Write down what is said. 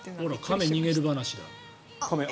亀逃げる話だ。